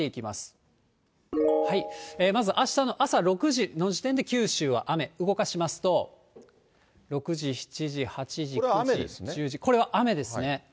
まずあしたの朝６時の時点で九州は雨、動かしますと、６時、７時、これは雨ですね。